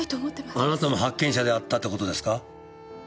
あなたも発見者であったって事ですか？